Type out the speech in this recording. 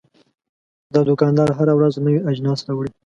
دا دوکاندار هره ورځ نوي اجناس راوړي.